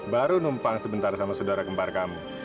baru numpang sebentar sama saudara gempar kamu